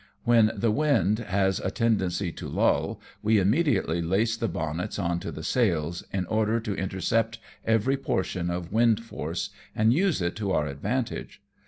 When the wind has a tendency to lull, we immediately lace the bonnets on to the sails, in order to intercept every portion of wind force, and use it to our advantage.